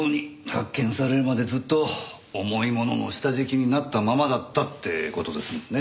発見されるまでずっと重い物の下敷きになったままだったって事ですもんね。